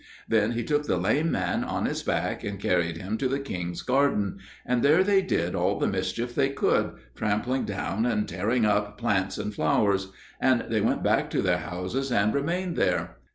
Then he took the lame man on his back, and carried him to the king's garden, and there they did all the mischief they could, trampling down and tearing up plants and flowers; and they went back to their houses and remained there.